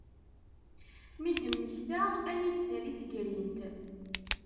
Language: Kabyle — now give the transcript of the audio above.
Mi d-mmektaɣ ad iyi-d-tali tegrint.